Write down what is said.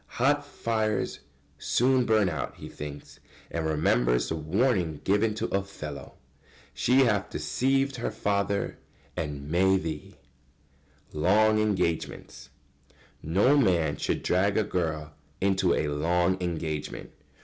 "Hot fires soon burn out," he thinks, and remembers the warning given to Othello: "She hath deceived her father, and may thee." [Sidenote: Long engagements.] No man should drag a girl into a long engagement.